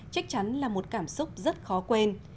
chắc chắn là một cảm xúc rất khó quên